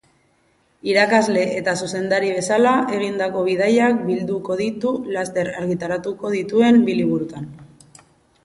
Irakasle eta zuzendari bezala egindako bidaiak bilduko ditu laster argitaratuko dituen bi liburutan.